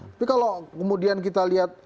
tapi kalau kemudian kita lihat